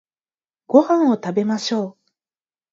ご飯を食べましょう